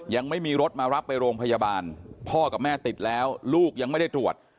ยังไม่มีรถมารับไปโรงพยาบาลพ่อกับแม่ติดแล้วลูกยังไม่ได้ตรวจ